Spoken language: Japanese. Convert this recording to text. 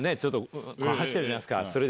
走ってるじゃないですか